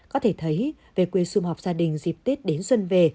có thể thấy về quê xung họp gia đình dịp tết đến xuân về